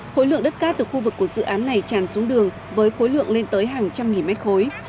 khối lượng đất cát từ khu vực của dự án này tràn xuống đường với khối lượng lên tới hàng trăm nghìn mét khối